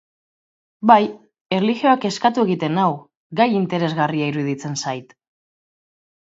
Bai, erlijioak kezkatu egiten nau, gai interesgarria iruditzen zait.